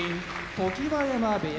常盤山部屋